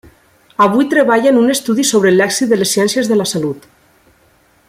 Avui treballa en un estudi sobre el lèxic de les ciències de la salut.